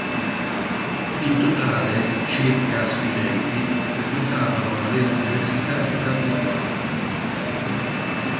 In totale circa studenti frequentano le università di Bratislava.